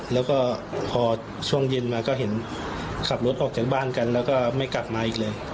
แล้วก็พอช่วงเย็นมาก็เห็นขับรถออกจากบ้านกันแล้วก็ไม่กลับมาอีกเลย